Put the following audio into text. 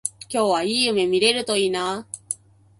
今日はいい夢見れるといいな